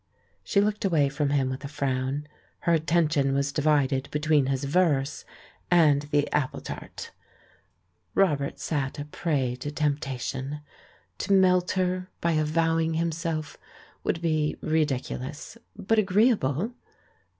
She looked away from him with a frown; her attention was divided between his verse and the apple tart. Robert sat a prey to tempation. To melt her by avowing himself would be ridiculous, but agreeable.